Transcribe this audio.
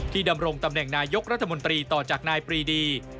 ดำรงตำแหน่งนายกรัฐมนตรีต่อจากนายปรีดี